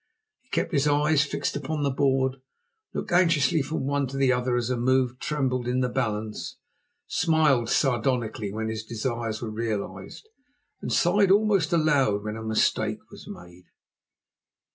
He kept his eyes fixed upon the board, looked anxiously from one to the other as a move trembled in the balance, smiled sardonically when his desires were realized, and sighed almost aloud when a mistake was made.